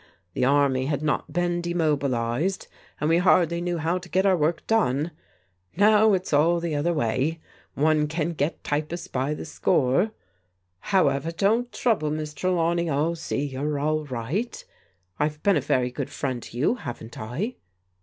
The army had not been de mobilized, and we hardly knew how to get our work done : now it's all the other way. One can get typists by the score. However, don't trouble. Miss Trelawney, I'll see you're all right. I've been a very good friend to you, haven't I